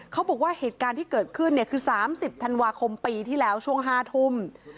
เขาบอกว่าเหตุการณ์ที่เกิดขึ้นคือ๓๐ธันวาคมปีที่แล้วช่วง๕ทุ่ม